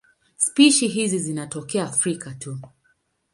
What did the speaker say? Spishi hizi zinatokea Afrika tu.